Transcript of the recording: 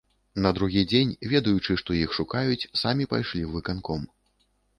На другі дзень, ведаючы, што іх шукаюць, самі пайшлі ў выканком.